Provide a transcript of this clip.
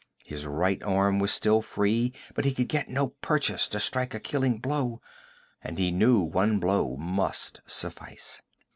His right arm was still free, but he could get no purchase to strike a killing blow, and he knew one blow must suffice.